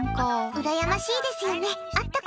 うらやましいですよね。